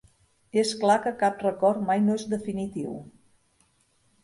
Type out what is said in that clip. És clar que cap rècord mai no és definitiu.